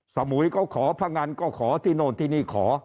สมุยเขาขอพงันก็ขอที่โน่นที่นี่ขอ